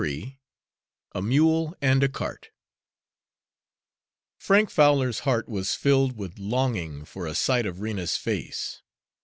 XXXIII A MULE AND A CART Frank Fowler's heart was filled with longing for a sight of Rena's face.